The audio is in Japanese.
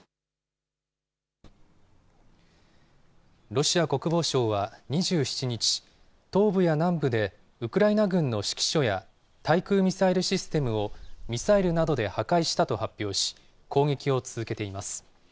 ロシア国防省は２７日、東部や南部でウクライナ軍の指揮所や、対空ミサイルシステムをミサイルなどで破壊したと発表し、攻撃を続けています。